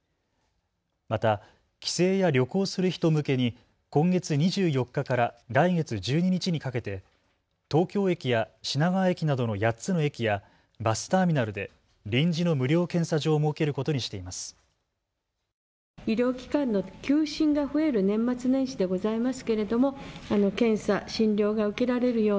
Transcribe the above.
また帰省や旅行する人向けに今月２４日から来月１２日にかけて東京駅や品川駅などの８つの駅やバスターミナルで臨時の無料検査場を設けることにしています。